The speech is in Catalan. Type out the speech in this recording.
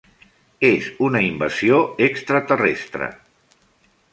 És una invasió extraterrestre.